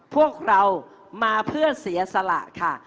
พวกเรามาเพื่อเสียสละค่ะ